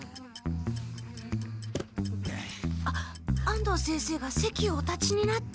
あ安藤先生がせきをお立ちになった。